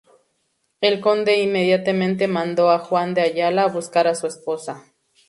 El conde inmediatamente mandó a Juan de Ayala a buscar a su esposa.